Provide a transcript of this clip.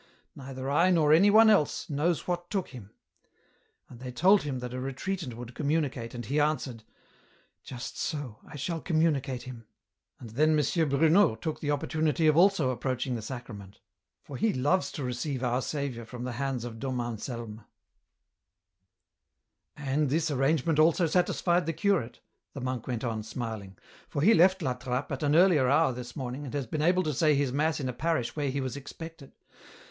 Neither I, nor any one else, EN ROUTE. 213 knows what took him. Then they told him that a retreatant would communicate and he answered * Just so, I shall communicate him.' And then M. Bruno took the opportunity of also approaching the Sacrament, for he loves to receive our Saviour from the hands of Dom Anselm." " And this arrangement also satisfied the curate," the monk went on, smiling ;" for he left La Trappe at an earlier hour this morning and has been able to say his mass in a parish where he was expected.